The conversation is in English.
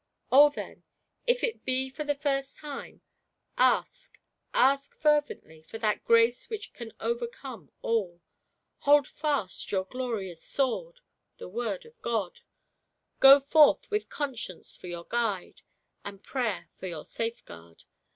Oh, then, if it be for the first time, ask, ask fervently for that grace which can overcome all; hold fast your glorious sword — ^the Word of God ; go forth with Conscience for your guide, and Prayer for your safeguard.